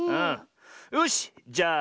よしじゃあ